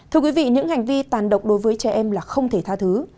thưa quý vị những hành vi tàn độc đối với trẻ em là không thể tha thứ